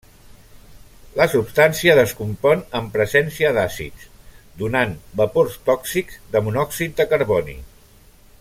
La substància descompon en presència d'àcids donant vapors tòxics de monòxid de carboni.